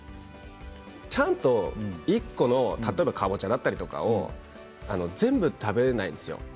ちゃんと１個の例えばかぼちゃだったりとかを全部食べないんですよ。